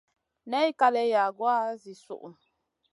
Nay kalèh yagoua zi suʼu.